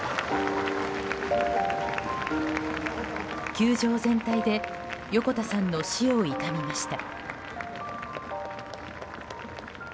球場全体で横田さんの死を悼みました。